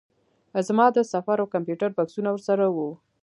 زما د سفر او کمپیوټر بکسونه ورسره وو.